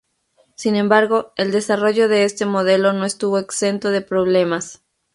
Sin embargo, el desarrollo de este modelo no estuvo exento de problemas.